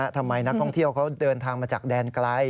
นักท่องเที่ยวเขาเดินทางมาจากแดนไกล